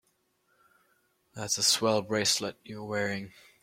That's a swell bracelet you're wearing.